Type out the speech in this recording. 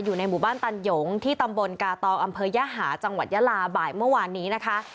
อยู่ในหมู่บ้านตันหยงที่ตำบลกาตองอำเภอยหาจังหวัดยาลาบ่ายเมื่อวานนี้นะคะ